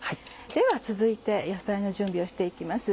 では続いて野菜の準備をして行きます。